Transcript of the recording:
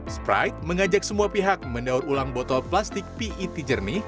sprite mengajak semua pihak mendaur ulang botol plastik pet jernih